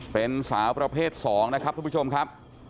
เป็นสาวประเภท๒นะครับทุกผู้ชมครับ